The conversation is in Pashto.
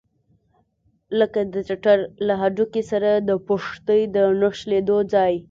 لکه د ټټر له هډوکي سره د پښتۍ د نښلېدلو ځای.